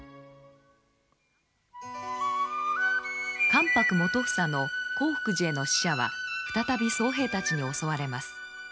関白基房の興福寺への使者は再び僧兵たちに襲われます。